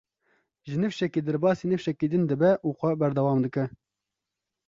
Ji nifşekî derbasî nifşekî din dibe û xwe berdewam dike.